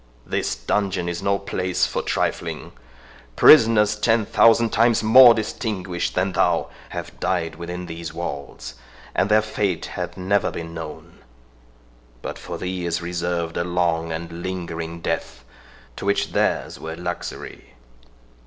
This dungeon is no place for trifling. Prisoners ten thousand times more distinguished than thou have died within these walls, and their fate hath never been known! But for thee is reserved a long and lingering death, to which theirs were luxury."